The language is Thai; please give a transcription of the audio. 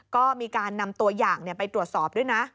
ก็มีการนำตัวอย่างไปตรวจสอบด้วยนะ